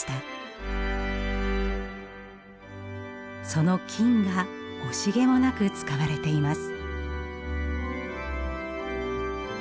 その金が惜しげもなく使われています。